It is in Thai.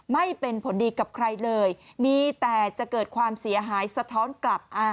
ไม่เป็นผลดีกับใครเลยมีแต่จะเกิดความเสียหายสะท้อนกลับ